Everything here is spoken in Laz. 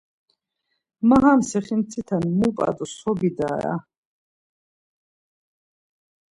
Ma ham sixintite mup̌a do so bidare aaa…